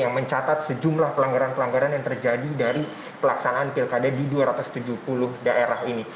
yang mencatat sejumlah pelanggaran pelanggaran yang terjadi dari pelaksanaan pilkada di dua ratus tujuh puluh daerah ini